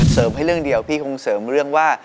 ให้เรื่องเดียวพี่คงเสริมเรื่องว่า